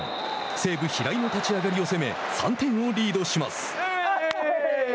西武平井の立ち上がりを攻め３点をリードします。